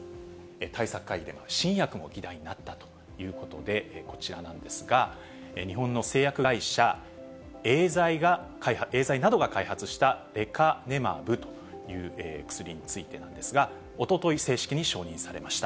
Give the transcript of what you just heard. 対策会議では新薬も議題になったということで、こちらなんですが、日本の製薬会社、エーザイなどが開発したレカネマブという薬についてなんですが、おととい、正式に承認されました。